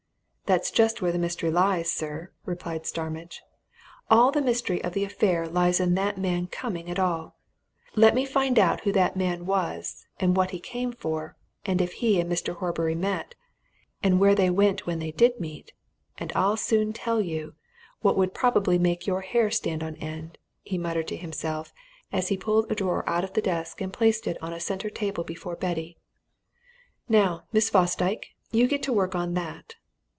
"That's just where the mystery lies, sir," replied Starmidge. "All the mystery of the affair lies in that man's coming at all! Let me find out who that man was, and what he came for, and if he and Mr. Horbury met, and where they went when they did meet and I'll soon tell you what would probably make your hair stand on end!" he muttered to himself, as he pulled a drawer out of the desk and placed it on a centre table before Betty. "Now, Miss Fosdyke, you get to work on that."